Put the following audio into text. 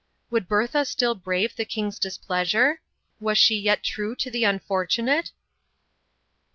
"Would Bertha still brave the king's displeasure? Was she yet true to the unfortunate?"